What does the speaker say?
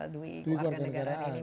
dwi warga negara ini